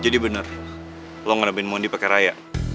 jadi benar lu ngeremehin mondi pakai raya